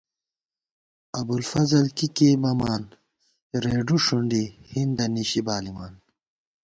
ابُوالفضل کی کېئی بَمان رېڈُو ݭُنڈی ہِندہ نِشِی بالِمان